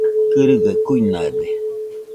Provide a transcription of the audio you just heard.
Kɨrɨgaɨ kuinade.